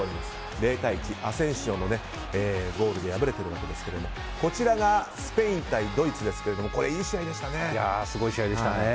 ０対１、アセンシオのゴールで敗れているわけですがこちらがスペイン対ドイツですがいい試合でしたね。